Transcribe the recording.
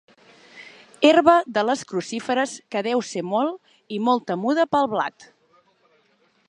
Herba de les crucíferes que deu ser molt i molt temuda pel blat.